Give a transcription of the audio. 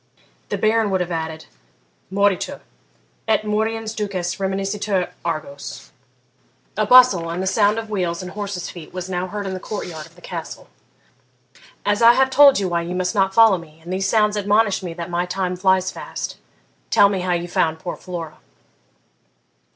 The Baron would have added, Moritur, et moriens dukes reminiscitur Argos.' A bustle, and the sound of wheels and horses' feet, was now heard in the court yard of the Castle. 'As I have told you why you must not follow me, and these sounds admonish me that my time flies fast, tell me how you found poor Flora.'